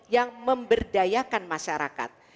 yang memberdayakan masyarakat